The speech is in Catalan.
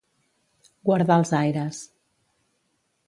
Guardar els aires.